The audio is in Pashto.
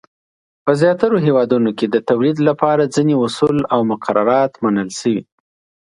په زیاترو هېوادونو کې د تولید لپاره ځینې اصول او مقررات منل شوي.